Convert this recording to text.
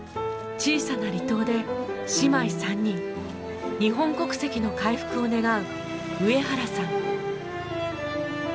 小さな離島で姉妹３人日本国籍の回復を願うウエハラさん。